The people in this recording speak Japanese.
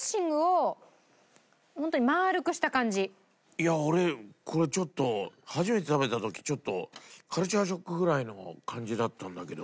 いや俺これちょっと初めて食べた時ちょっとカルチャーショックぐらいの感じだったんだけど。